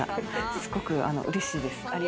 すごくうれしいです。